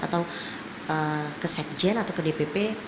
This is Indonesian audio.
atau ke sekjen atau ke dpp